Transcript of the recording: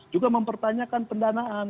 juga mempertanyakan pendanaan